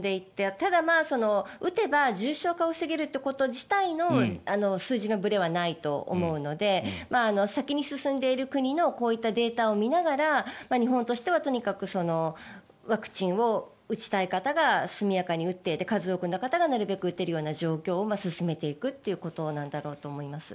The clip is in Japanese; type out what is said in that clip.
ただ、打てば重症化を防げるということ自体の数字のぶれはないと思うので先に進んでいる国のこういったデータを見ながら日本としてはとにかくワクチンを打ちたい方が速やかに打って、数多くの方がなるべく打てる状況を進めていくということなんだろうと思います。